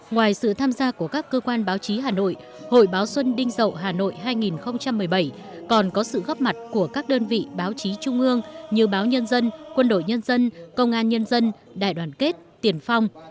ngoài sự tham gia của các cơ quan báo chí hà nội hội báo xuân đinh dậu hà nội hai nghìn một mươi bảy còn có sự góp mặt của các đơn vị báo chí trung ương như báo nhân dân quân đội nhân dân công an nhân dân đại đoàn kết tiền phong